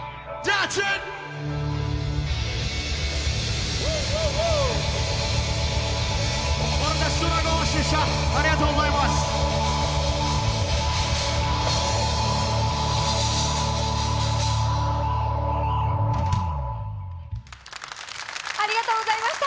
ありがとうございます！